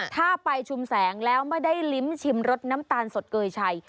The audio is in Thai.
ถ้าไปชุมแสงแล้วไม่ได้ลิ้มชิมรสน้ำตาลสดเกยชัย